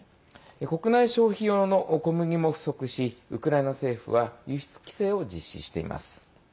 国内消費用の小麦も不足しウクライナ政府は輸出規制を実施しています。